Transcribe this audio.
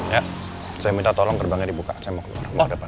ya saya minta tolong kerbangnya dibuka saya mau keluar mau ke depan